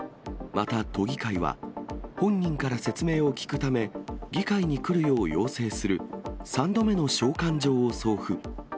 また都議会は、本人から説明を聞くため、議会に来るよう要請する３度目の召喚状を送付。